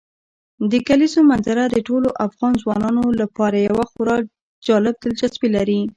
د کلیزو منظره د ټولو افغان ځوانانو لپاره یوه خورا جالب دلچسپي لري.